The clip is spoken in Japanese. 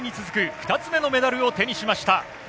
２つ目のメダルを手にしました。